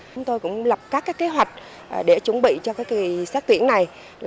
chúng tôi cũng lập các cái kế hoạch để chuẩn bị cho cái kỳ xét tuyển này